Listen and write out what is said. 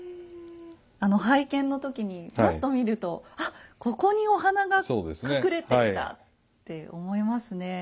あの拝見の時にぱっと見るとあっここにお花が隠れていたって思いますね。